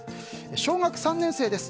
小学３年生です。